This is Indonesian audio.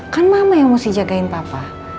kan mama yang mesti jagain papa